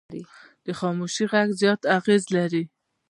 د خاموشي غږ زیات اغېز لري